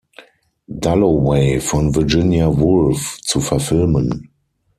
Dalloway" von Virginia Woolf zu verfilmen.